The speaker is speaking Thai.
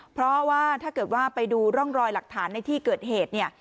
เพราะว่าถ้าเกิดว่าไปดูร่องรอยหลักฐานในที่เกิดเหตุเนี่ย